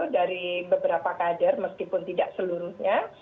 dari beberapa kader meskipun tidak seluruhnya